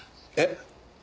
えっ？